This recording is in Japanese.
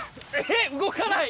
えっ動かない！